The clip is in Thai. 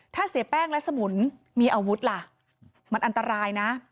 ถ้าเสียแป้งและสมุนมีอาวุธล่ะมันอันตรายนะ